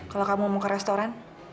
kalau kamu mau ke restoran